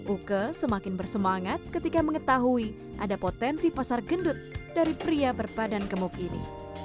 uke semakin bersemangat ketika mengetahui ada potensi pasar gendut dari pria berpadan gemuk ini